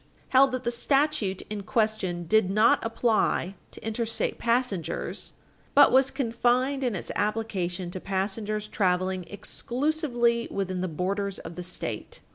770, held that the statute in question did not apply to interstate passengers, but was confined in its application to passengers traveling exclusively within the borders of the State.